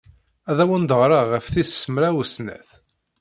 Ad awen-d-ɣreɣ ɣef tis mraw snat.